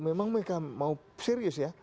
memang mereka mau serius ya